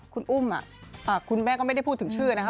คุณอุ้มคุณแม่ก็ไม่ได้พูดถึงชื่อนะคะ